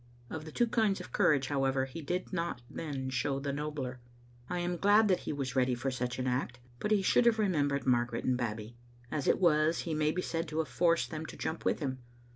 Of the two kinds of courage, however, he did not then show the nobler. I am glad that he was ready for such an act, but he should have remembered Mar garet and Babbie. As it was, he may be said to have forced them to jump with him.